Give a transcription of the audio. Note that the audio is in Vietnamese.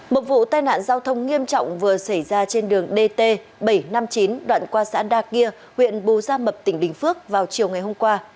một vụ tai nạn giao thông nghiêm trọng vừa xảy ra trên đường dt bảy trăm năm mươi chín đoạn qua xã đa kia huyện bù gia mập tỉnh bình phước vào chiều ngày hôm qua